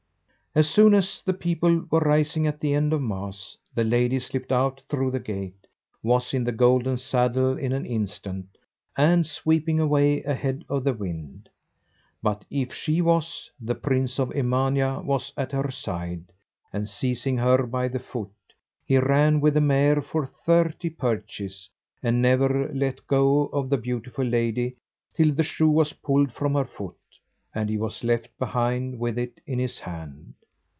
As soon as the people were rising at the end of Mass, the lady slipped out through the gate, was in the golden saddle in an instant, and sweeping away ahead of the wind. But if she was, the prince of Emania was at her side, and, seizing her by the foot, he ran with the mare for thirty perches, and never let go of the beautiful lady till the shoe was pulled from her foot, and he was left behind with it in his hand.